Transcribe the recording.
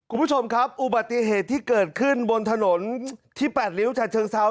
คุณผู้ชมครับอุบัติเหตุที่เกิดขึ้นบนถนนที่แปดริ้วจากเชิงเซา